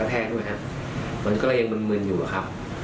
และยืนยันเหมือนกันว่าจะดำเนินคดีอย่างถึงที่สุดนะครับ